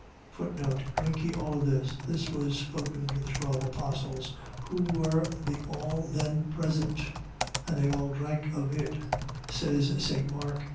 Drink ye all of this. . .This was spoken to the twelve apostles; who were the all then present; and they all drank of it, says St. Mark 14.